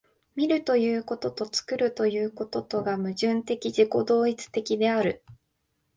見るということと作るということとが矛盾的自己同一的である。